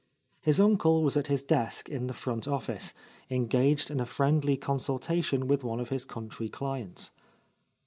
His uncle was at his desk in the front office, engaged in a friendly consultation with one of his country clients.